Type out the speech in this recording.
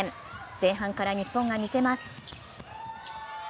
前半から日本がみせます。